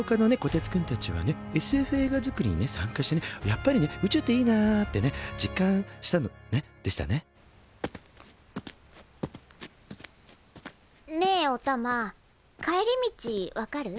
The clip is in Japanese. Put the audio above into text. てつくんたちはねＳＦ映画作りにね参加してねやっぱりね宇宙っていいなってね実感したのねでしたねねえおたま帰り道分かる？